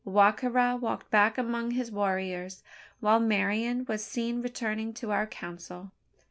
Wa ka ra walked back among his warriors, while Marian was seen returning to our council.